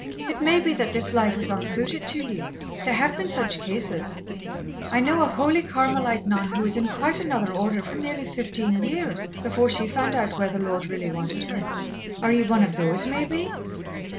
It may be that this life is unsuited to ye there have been such cases. I know a holy Carmelite nun who was in quite another order for nearly fifteen years, before she found out where the Lord really wanted her. Are ye one of those, maybe?"